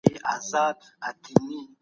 د باطل لار هيڅکله د کاميابۍ لوري ته نه ځي.